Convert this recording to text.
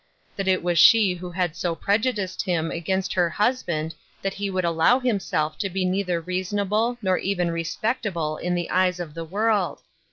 That it was she who had so preju diced him against her husband that he would allow himself to be neither reasonable ner even re spectable in the eyes of the world.